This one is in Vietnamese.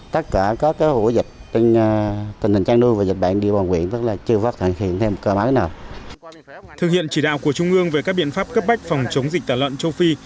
thực hiện chỉ đạo của trung ương về các biện pháp cấp bách phòng chống dịch tả lợn châu phi